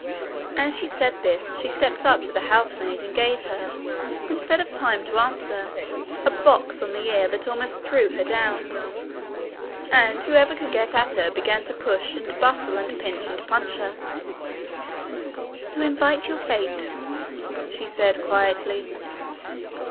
As she said this, she stepped up to the housemaid and gave her, instead of time to answer, a box on the ear that almost threw her down; and whoever could get at her began to push and bustle and pinch and punch her. 'You invite your fate,' she said quietly.